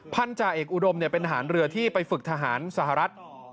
จ่าเอกอุดมเป็นทหารเรือที่ไปฝึกทหารสหรัฐ